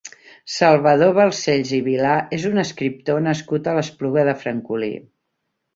Salvador Balcells i Vilà és un escriptor nascut a l'Espluga de Francolí.